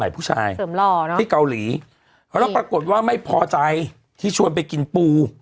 ปรากฎว่าไม่พอใจที่ชวนไปกินปู